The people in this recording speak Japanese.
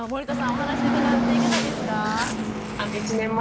お話伺っていかがですか？